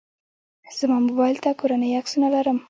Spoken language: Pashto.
زما موبایل ته کورنۍ عکسونه لرم.